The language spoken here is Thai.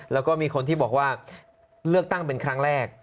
แล้วก็มีคนที่บอกว่าเลือกตั้งเป็นครั้งแรก